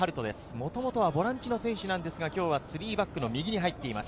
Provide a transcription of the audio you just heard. もともとはボランチの選手ですが、３バックの右に今日は入っています。